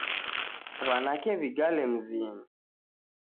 Wanake wigale mzinyi